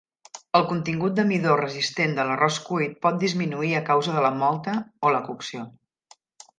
El contingut de midó resistent de l'arròs cuit pot disminuir a causa de la mòlta o la cocció.